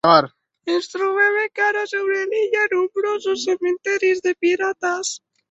Es troben encara sobre l'illa nombrosos cementiris de pirates.